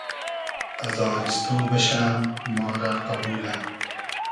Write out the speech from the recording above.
ازاریستۉ بئشۂ ما رۂ قئبولۂ